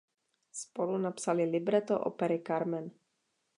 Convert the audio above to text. Spolu napsali libreto opery "Carmen".